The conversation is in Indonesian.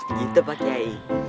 hehehe gitu pak kiai